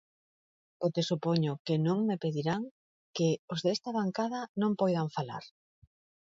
Porque supoño que non me pedirán que os desta bancada non poidan falar.